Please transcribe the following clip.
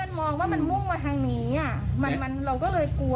มันมองว่ามันมุ่งมาทางนี้เราก็เลยกลัว